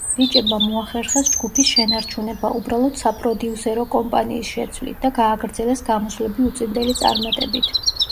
ბიჭებმა მოახერხეს ჯგუფის შენარჩუნება, უბრალოდ საპროდიუსერო კომპანიის შეცვლით, და გააგრძელეს გამოსვლები უწინდელი წარმატებით.